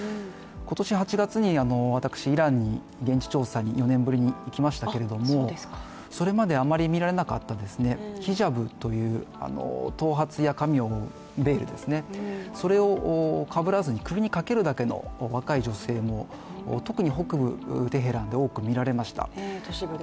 今年８月に私、イランに現地調査に４年ぶりに行きましたけれども、それまであまり見られなかったヒジャブという頭髪や髪を覆うベールですね、それをかぶらずに首にかけるだけの若い女性も、特に北部テヘランで多く見られました。